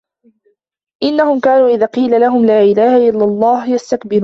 إِنَّهُمْ كَانُوا إِذَا قِيلَ لَهُمْ لَا إِلَهَ إِلَّا اللَّهُ يَسْتَكْبِرُونَ